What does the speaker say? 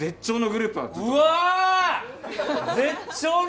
うわ！